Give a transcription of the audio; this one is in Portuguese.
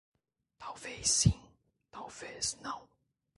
Talvez sim, talvez não.